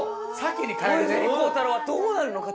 小泉孝太郎はどうなるのか？